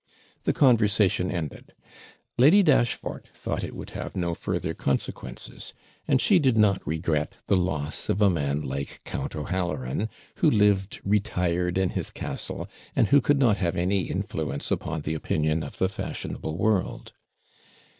The conversation ended: Lady Dashfort thought it would have no further consequences; and she did not regret the loss of a man like Count O'Halloran, who lived retired in his castle, and who could not have any influence upon the opinion of the fashionable world.